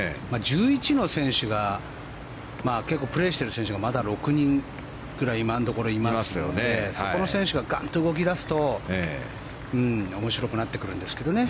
１１の選手が結構プレーしている選手がまだ６人ぐらい今のところいますのでそこの選手がガンと動き出すと面白くなってくるんですけどね。